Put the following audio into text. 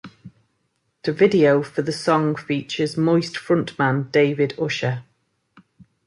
The video for the song features Moist front man David Usher.